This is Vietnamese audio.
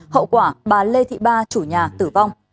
hậu quả bà lê thị ba chủ nhà tử vong